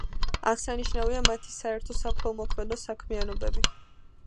აღსანიშნავია მათი საერთო საქველმოქმედო საქმიანობები.